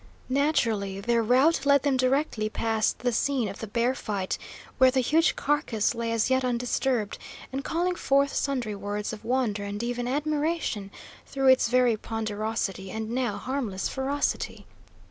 Naturally their route led them directly past the scene of the bear fight, where the huge carcass lay as yet undisturbed, and calling forth sundry words of wonder and even admiration, through its very ponderosity and now harmless ferocity.